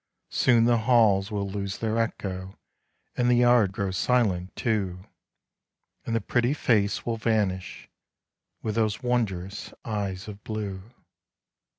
Soon the halls will lose their echo, And the yard grow silent, too, And the pretty face will vanish, With those wondrous eyes of blue.